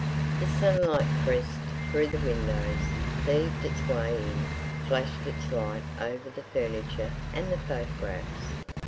The sunlight pressed through the windows, thieved its way in, flashed its light over the furniture and the photographs.